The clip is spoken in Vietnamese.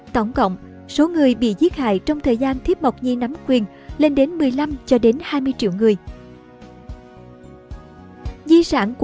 tổng cộng số người bị giết hại trong thời gian thiếp mộc nhi nắm quyền lên đến một mươi năm hai mươi triệu người